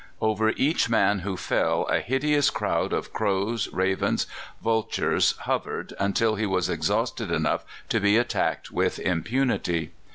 "Over each man who fell a hideous crowd of crows, ravens, vultures, hovered until he was exhausted enough to be attacked with impunity.